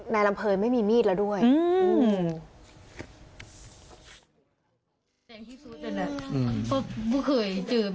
นายรัมเภอไม่มีมีดแล้วด้วยอื้ออืม